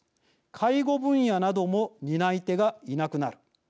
介護分野なども担い手がいなくなる。